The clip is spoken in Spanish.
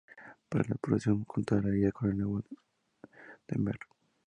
Para la producción contarían de nuevo con Mr.